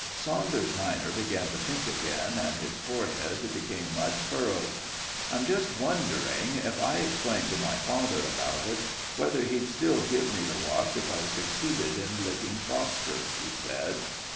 Saunders minor began to think again, and his forehead became much furrowed. "I'm just wondering, if I explained to my father about it, whether he'd still give me the watch if I succeeded in licking Foster," he said.